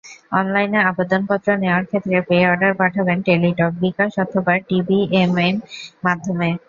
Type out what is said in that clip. অনলাইনে আবেদনপত্র নেওয়ার ক্ষেত্রে পে-অর্ডার পাঠাবেন টেলিটক, বিকাশ অথবা টিবিএমএম মাধ্যমে।